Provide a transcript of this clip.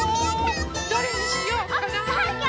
どれにしようかな？